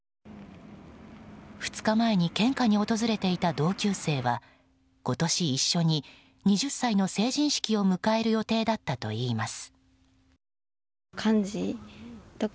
２日前に献花に訪れていた同級生は今年一緒に２０歳の成人式を迎える予定だったといいます。